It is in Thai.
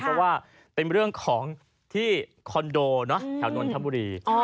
เพราะว่าเป็นเรื่องของที่คอนโดแถวนนทบุรี